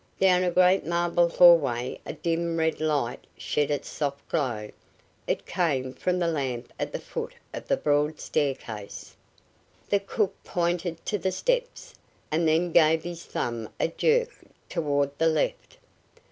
Down a great marble hallway a dim red light shed its soft glow. It came from the lamp at the foot of the broad staircase. The cook pointed to the steps, and then gave his thumb a jerk toward the left.